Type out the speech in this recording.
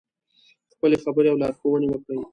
خپلې خبرې او لارښوونې وکړې.